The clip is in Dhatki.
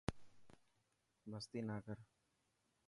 مستي نا ڪر.